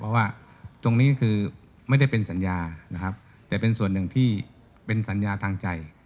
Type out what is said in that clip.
เพราะว่าตรงนี้คือไม่ได้เป็นสัญญานะครับแต่เป็นส่วนหนึ่งที่เป็นสัญญาทางใจ